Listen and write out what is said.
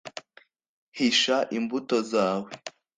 hisha imbuto zawe